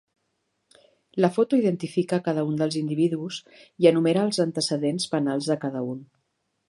La foto identifica cada un dels individus i enumera els antecedents penals de cada un.